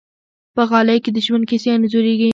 په غالۍ کې د ژوند کیسې انځورېږي.